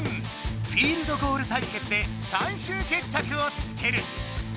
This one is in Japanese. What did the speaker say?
フィールドゴール対決で最終決着をつける！